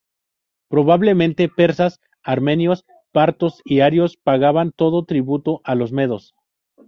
Probablemente persas, armenios, partos y arios, pagaban todos tributo a los medos.